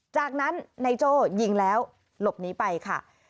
จากนั้นนายโจ้ยิงแล้วหลบหนีไปค่ะ